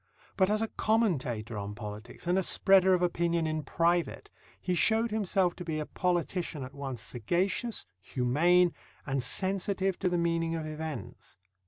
But as a commentator on politics and a spreader of opinion in private, he showed himself to be a politician at once sagacious, humane, and sensitive to the meaning of events.